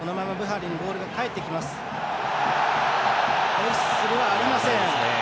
ホイッスルありません。